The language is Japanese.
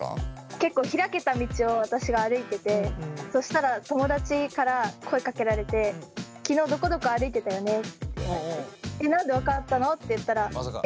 結構開けた道を私が歩いててそしたら友達から声かけられて昨日どこどこ歩いてたよねって言われて何で分かったの？って言ったらえ？